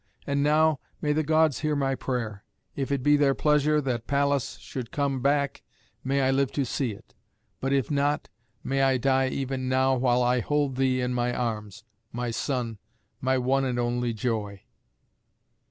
And now, may the Gods hear my prayer: If it be their pleasure that Pallas should come back, may I live to see it; but if not, may I die even now while I hold thee in my arms, my son, my one and only joy."